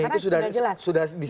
karena sudah jelas